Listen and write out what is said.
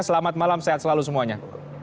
selamat malam sehat selalu semuanya